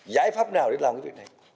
giải pháp nào để làm cái việc này